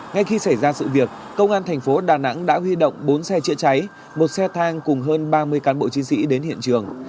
ngay khi xảy ra sự việc công an thành phố đà nẵng đã huy động bốn xe chữa cháy một xe thang cùng hơn ba mươi cán bộ chiến sĩ đến hiện trường